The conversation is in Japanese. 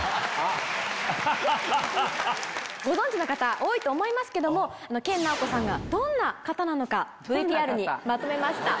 ご存じな方多いと思いますけども研ナオコさんがどんな方なのかＶＴＲにまとめました。